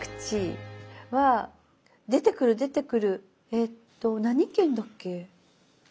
えっと何県だっけ？